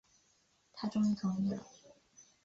他终于同意了